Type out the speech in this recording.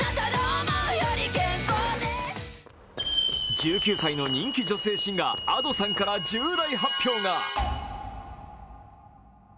１９歳の人気女性シンガーＡｄｏさんから重大発表が。